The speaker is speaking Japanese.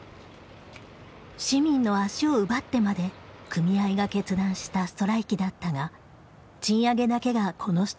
市民の足を奪ってまで組合が決断したストライキだったが賃上げだけがこのストライキの目的ではなかった。